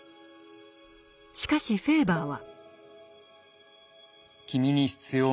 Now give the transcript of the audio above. しかしフェーバーは。